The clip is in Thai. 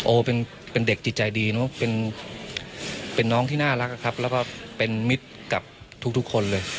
โอเป็นเด็กจิตใจดีเนอะเป็นน้องที่น่ารักครับแล้วก็เป็นมิตรกับทุกคนเลย